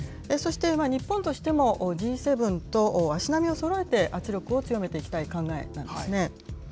そして日本としても、Ｇ７と足並みをそろえて、圧力を強めていきたい考えなんですね。